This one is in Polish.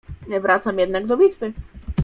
"Wracam jednak do bitwy."